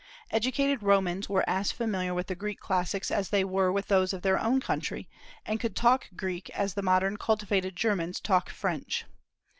Educated Romans were as familiar with the Greek classics as they were with those of their own country, and could talk Greek as the modern cultivated Germans talk French.